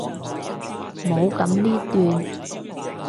冇噉呢段！